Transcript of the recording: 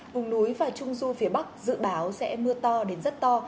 vùng núi và trung du phía bắc dự báo sẽ mưa to đến rất to